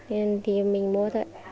nên thì mình mua thôi